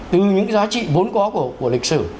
từ những giá trị vốn có của lịch sử